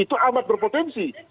itu amat berpotensi